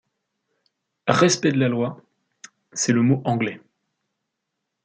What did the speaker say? Respect de la Loi ; c’est le mot Anglais.